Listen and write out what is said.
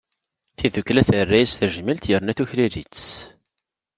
Tidukkla terra-as tajmilt, yerna tuklal-itt.